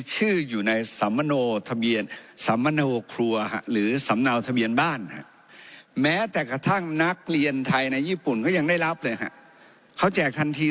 หนึ่งแสนเย็นท่านว่าเป็นเงินอะไร